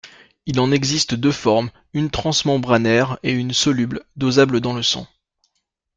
Il en existe deux formes, une transmembranaire et une soluble, dosable dans le sang.